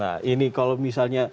nah ini kalau misalnya